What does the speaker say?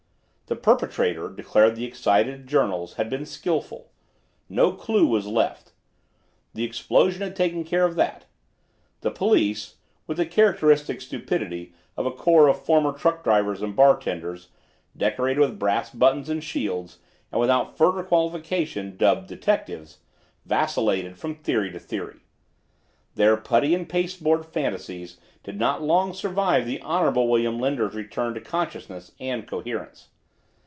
The perpetrator, declared the excited journals, had been skilful. No clue was left. The explosion had taken care of that. The police (with the characteristic stupidity of a corps of former truck drivers and bartenders, decorated with brass buttons and shields and without further qualification dubbed "detectives") vacillated from theory to theory. Their putty and pasteboard fantasies did not long survive the Honorable William Linder's return to consciousness and coherence.